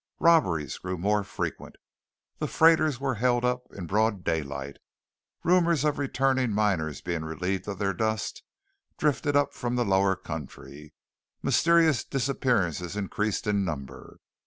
Robberies grew more frequent. The freighters were held up in broad daylight; rumours of returning miners being relieved of their dust drifted up from the lower country; mysterious disappearances increased in number.